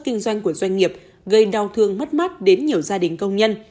kinh doanh của doanh nghiệp gây đau thương mất mát đến nhiều gia đình công nhân